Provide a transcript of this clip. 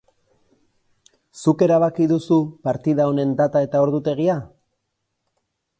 Zuk erabaki duzu partida honen data eta ordutegia?